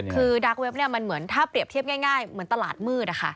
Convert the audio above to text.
คือดาร์กเว็บมันเหมือนถ้าเปรียบเทียบง่ายเหมือนตลาดมืด